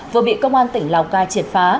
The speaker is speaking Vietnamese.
vừa bị công an tỉnh lào cai triệt phá